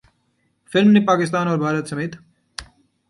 film نے پاکستان اور بھارت سمیت